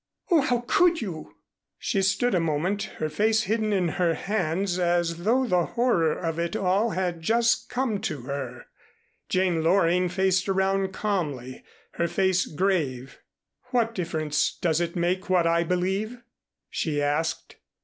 Oh, how could you?" She stood a moment, her face hidden in her hands, as though the horror of it all had just come to her. Jane Loring faced around calmly, her face grave. "What difference does it make what I believe?" she asked.